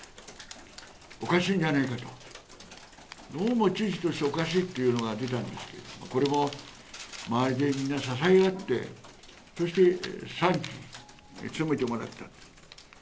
おかしいんじゃないかと、どうも知事としておかしいというのが出たんですけれども、これも周りでみんな支え合って、そして３期務めてもらった。